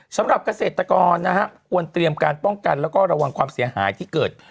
สำหรับเกษตรกรนะฮะควรเตรียมการป้องกันแล้วก็ระวังความเสียหายที่เกิด